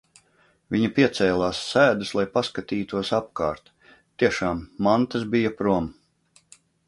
Viņa piecēlās sēdus, lai paskatītos apkārt. Tiešām, mantas bija prom.